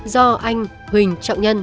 do anh huỳnh trọng nhân